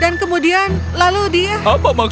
tapi sebelum dia menyadarinya burung itu muncul kembali